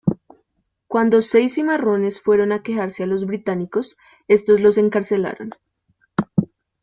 Cuando seis cimarrones fueron a quejarse a los británicos, estos los encarcelaron.